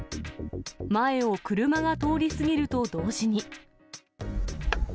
前を車が通り過ぎると同時に。